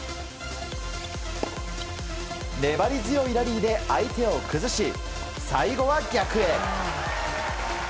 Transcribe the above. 粘り強いラリーで相手を崩し最後は逆へ。